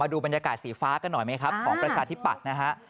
ดูบรรยากาศสีฟ้ากันหน่อยไหมครับของประชาธิปัตย์นะฮะ